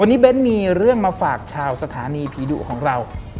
วันนี้เบ้นมีเรื่องมาฝากชาวสถานีผีดุของเรา